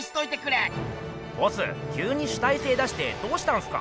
ボスきゅうに主体性出してどうしたんすか？